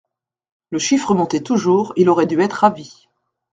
Le chiffre montait toujours, il aurait dû être ravi.